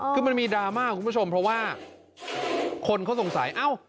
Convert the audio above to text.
คือมันมีดราม่าคุณผู้ชมเพราะว่าคนเขาสงสัยเอ้า